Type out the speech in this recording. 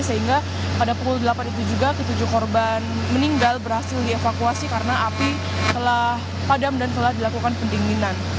sehingga pada pukul delapan itu juga ketujuh korban meninggal berhasil dievakuasi karena api telah padam dan telah dilakukan pendinginan